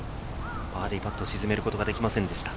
バーディーパット、沈めることができませんでした。